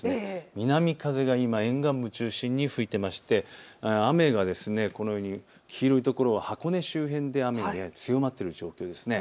南風が今、沿岸部を中心に吹いていまして、雨がこのように黄色い所は箱根周辺で雨が強まっている状況です。